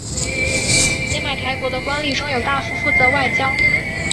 邪马台国的官吏中有大夫负责外交。